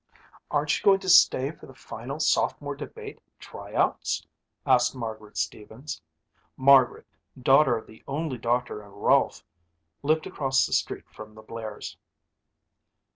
"Aren't you going to stay for the final sophomore debate tryouts?" asked Margaret Stevens. Margaret, daughter of the only doctor in Rolfe, lived across the street from the Blairs.